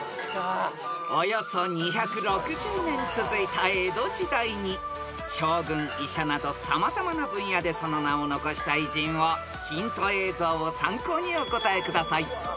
［およそ２６０年続いた江戸時代に将軍医者など様々な分野でその名を残した偉人をヒント映像を参考にお答えください］